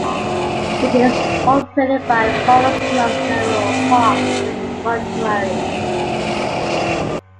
It is operated by Forest Lawn Memorial-Parks and Mortuaries.